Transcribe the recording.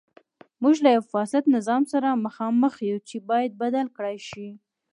موږ له یوه فاسد نظام سره مخامخ یو چې باید بدل کړای شي.